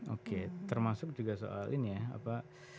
oke termasuk juga soal ini ya apa